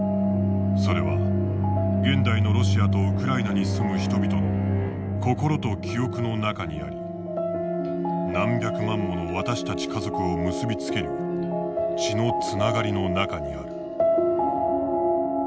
それは現代のロシアとウクライナに住む人々の心と記憶の中にあり何百万もの私たち家族を結び付ける血のつながりの中にある。